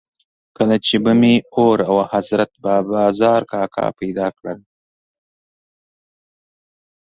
کله چې به مې اور او حضرت باز کاکا پیدا کړل.